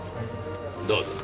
どうぞ。